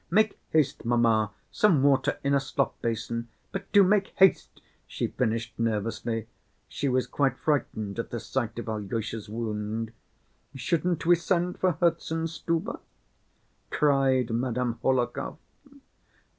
Make haste, mamma, some water in a slop‐basin. But do make haste," she finished nervously. She was quite frightened at the sight of Alyosha's wound. "Shouldn't we send for Herzenstube?" cried Madame Hohlakov.